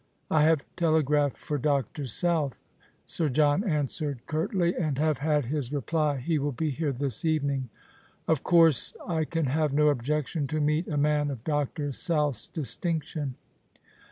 " I have telegraphed for Dr. South," Sir John answered curtly, " and have had his reply. He will be here this evening." " Of course I can have no objection to meet a man of Dr. South's distinction."